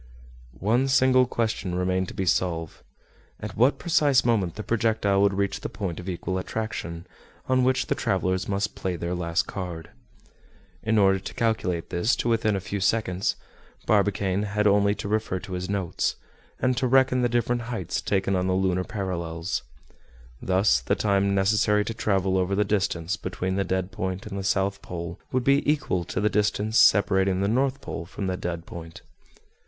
One single question remained to be solved. At what precise moment the projectile would reach the point of equal attraction, on which the travelers must play their last card. In order to calculate this to within a few seconds, Barbicane had only to refer to his notes, and to reckon the different heights taken on the lunar parallels. Thus the time necessary to travel over the distance between the dead point and the south pole would be equal to the distance separating the north pole from the dead point.